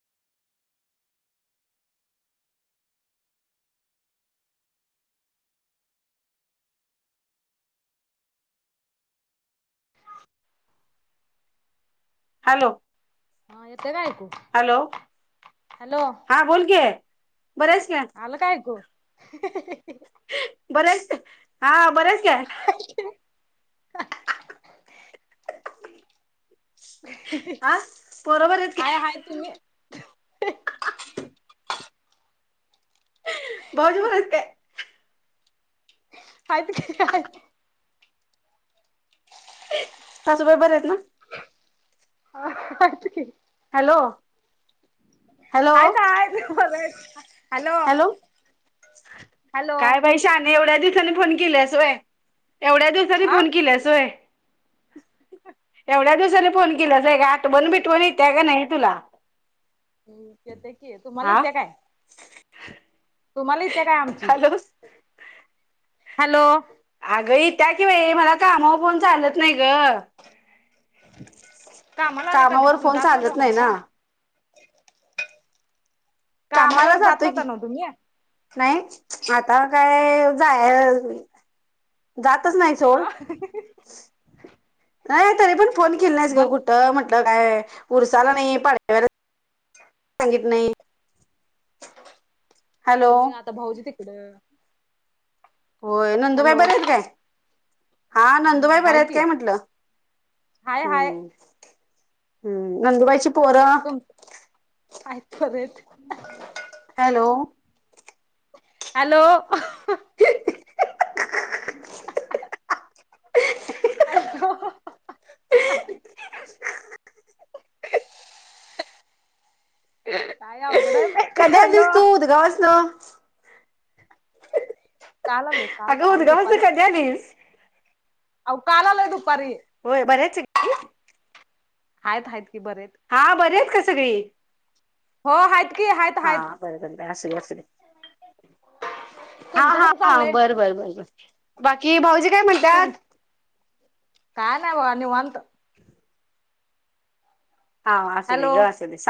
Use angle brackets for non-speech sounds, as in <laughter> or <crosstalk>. Hello. हा येतंय का ऐकू? हॅलो हॅलो हा बोल की बरी आहेस काय? आलं काय ऐकू? <unintelligible> बरीस का हा बरी आहेस काय? <unintelligible> आ? पोर बरी आहेत का? हाय हाय तुम्ही? भाऊजी पण आहेत काय? आहेत की आहे. सासुबाई बरे आहेत ना? हा आहेत की. हॅलो. हॅलो हायता हायत बरे आहेत. हॅलो हॅलो काय बाई शानी एवढ्या दिवसानी फोन केल्यास होय? एवढ्या दिवसानी आ फोन केल्यास होय? एवढ्या दिवसानी फोन केल्यास व्हयं का आठवण बीटवन येत्या का नाही तुला? येते की, तुम्हाला हा येत्या काय? <unintelligible> तुम्हाला येत्या काय आमची? Hello hello. अगं येत्या की बाई मला कामावर फोन चालत नाही ग. कामला आणि कामावर कधीपासनं फोन जात चालत नव्हता नाही ना नव्हं? कामाला कामावर जात जातोय की, नाही आता काय जाय जातचं नाही सोड. आ नाही तरी पण फोन केली नाहीस ग बंद कुठं म्हण काय उरुसाला नाही <unintelligible> सांगित नाही? हॅलो तुम्ही आता भाऊजी तिकडं. होय नंदुबाई हॅलो बऱ्या आहेत काय? हा हम्म नंदुबाई बऱ्या हाय आहेत की काय म्हटलं? हाय हाय हम्म हम्म नंदूबाईची तुम आहेत बरेत. हॅलो. हॅलो. <unintelligible> <unintelligible> हॅलो. <unintelligible> काय अवघड आहे बाई हॅलो. गप्प बस ना. काल आलोय काल अग काल उद्गवासनं दुपारी कधी आलीस? अहो काल आलय दुपारी. होय बऱ्यायचं आहेत आहेत की बरं आहेत. हा बर आहेत का सगळी? हो हायत की हायत हा हायत. बरं बरं असू दे असू दे हा हा बर बर बर बर. बाकी भाऊजी काय म्हण तुम, काय नाय बगा निवांत. हाव असू दे हॅलो असू दे ग सांग